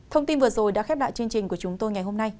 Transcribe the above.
thông tin vừa rồi đã khép lại chương trình của chúng tôi ngày hôm nay